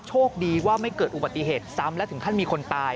โชคดีว่าไม่เกิดอุบัติเหตุซ้ำและถึงขั้นมีคนตาย